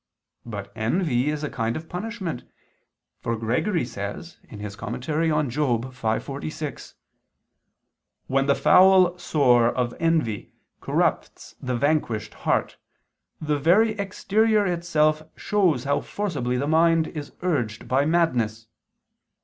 But envy is a kind of punishment: for Gregory says (Moral. v, 46): "When the foul sore of envy corrupts the vanquished heart, the very exterior itself shows how forcibly the mind is urged by madness.